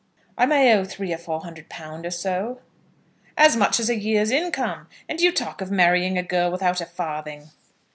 "I may owe three or four hundred pounds or so." "As much as a year's income; and you talk of marrying a girl without a farthing."